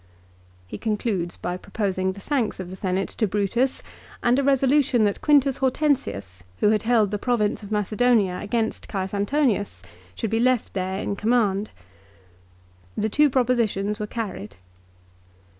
He concludes by proposing the thanks of the Senate to Brutus, and a resolution that Quintus Hortensius, who had held the province of Macedonia against C. Antonius, should be left there in command. The two propositions were carried.